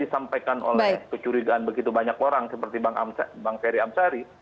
disampaikan oleh kecurigaan begitu banyak orang seperti bang ferry amsari